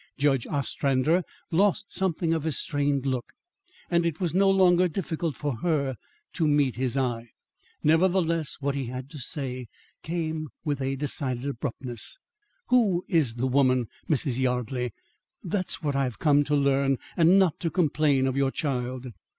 Judge Ostrander lost something of his strained look, and it was no longer difficult for her to meet his eye. Nevertheless, what he had to say came with a decided abruptness. "Who is the woman, Mrs. Yardley? That's what I have come to learn, and not to complain of your child."